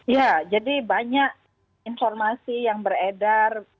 ya jadi banyak informasi yang beredar